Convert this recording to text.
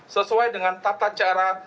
sesuai dengan tata cara